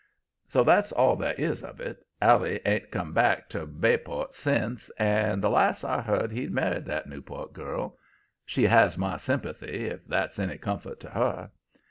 "So's that's all there is of it. Allie hasn't come back to Bayport sence, and the last I heard he'd married that Newport girl; she has my sympathy, if that's any comfort to her.